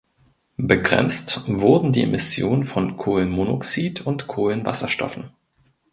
Begrenzt wurden die Emissionen von Kohlenmonoxid und Kohlenwasserstoffen.